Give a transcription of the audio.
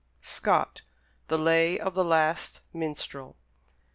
Scott: "The Lay of the Last Minstrel."